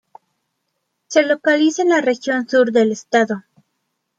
Se localiza en la Región Sur del estado.